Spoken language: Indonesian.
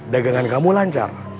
dagangan kamu lancar